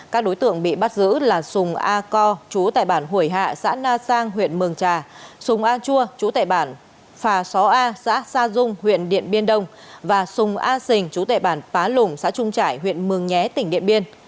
các đối tượng bị bắt giữ là sùng a co chú tại bản hủy hạ xã na sang huyện mường trà sùng a chua chú tại bản phà xóa a xã sa dung huyện điện biên đông và sùng a sình chú tệ bản phá lùng xã trung trải huyện mường nhé tỉnh điện biên